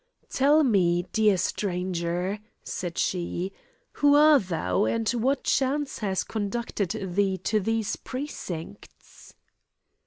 "Tell me, dear stranger," said she, "who are thou, and what chance has conducted thee to these precincts?"